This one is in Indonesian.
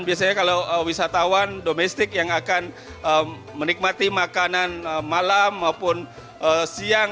biasanya kalau wisatawan domestik yang akan menikmati makanan malam maupun siang